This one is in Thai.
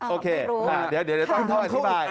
โอเคเดี๋ยวต้องทอดอภิกาย